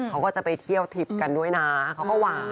เขาก็จะไปเที่ยวทริปกันด้วยนะเขาก็หวาน